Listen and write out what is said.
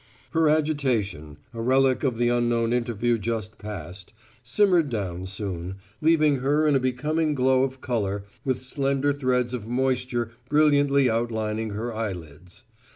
Her agitation, a relic of the unknown interview just past, simmered down soon, leaving her in a becoming glow of colour, with slender threads of moisture brilliantly outlining her eyelids.